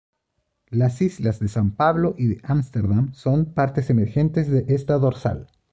Las islas de San Pablo y de Ámsterdam son partes emergentes de esta dorsal.